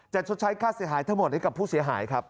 ชดใช้ค่าเสียหายทั้งหมดให้กับผู้เสียหายครับ